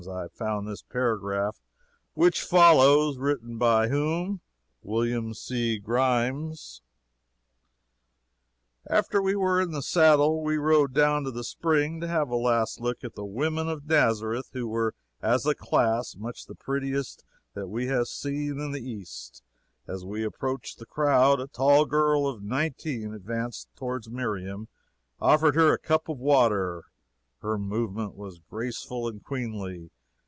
I found this paragraph, which follows. Written by whom? Wm. C. Grimes: "After we were in the saddle, we rode down to the spring to have a last look at the women of Nazareth, who were, as a class, much the prettiest that we had seen in the East. As we approached the crowd a tall girl of nineteen advanced toward Miriam and offered her a cup of water. Her movement was graceful and queenly.